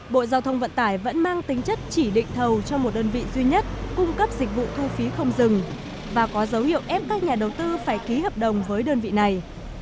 bộ giao thông vận tải vẫn mang tính chất chỉ định thầu cho một đơn vị duy nhất cung cấp dịch vụ thu phí không dừng và có dấu hiệu ép các nhà đầu tư phải ký hợp đồng với đơn vị này